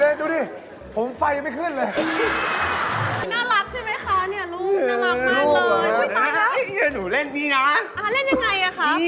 น่ารักจริงไหมลูกตัดผมใหม่แล้วครับ